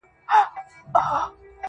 نوي نسلونه پوښتني کوي ډېر،